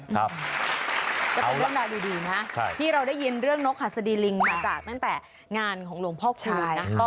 ก็เป็นเรื่องราวดีนะที่เราได้ยินเรื่องนกหัสดีลิงมาจากตั้งแต่งานของหลวงพ่อคูณนะ